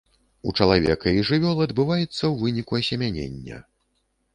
У чалавека і жывёл адбываецца ў выніку асемянення.